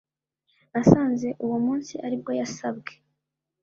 nasanze uwo munsi aribwo yasabwe